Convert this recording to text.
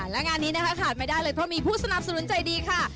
และงานนี้นะคะขาดไม่ได้เลยเพราะมีผู้สนับสนุนใจดีค่ะ